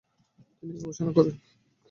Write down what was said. তিনি এই গবেষণা করেন।